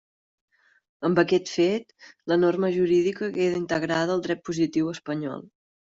Amb aquest fet la norma jurídica queda integrada al dret positiu espanyol.